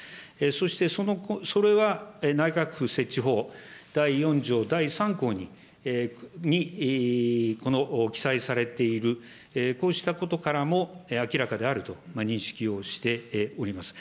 そして、それは内閣府設置法第４条第３項にこの記載されている、こうしたことからも、明らかであると認識をしております。